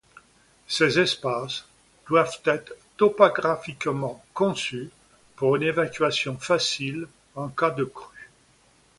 Ces espaces doivent être topographiquement conçu pour une évacuation facile en cas de crue.